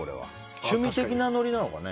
趣味的なノリなのかね。